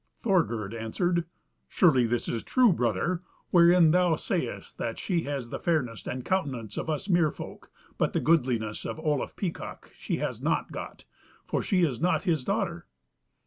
Thorgerd answered: "Surely this is true, brother, wherein thou sayest that she has the fairness and countenance of us Mere folk, but the goodliness of Olaf Peacock she has not got, for she is not his daughter."